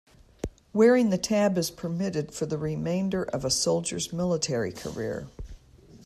Wearing the tab is permitted for the remainder of a soldier's military career.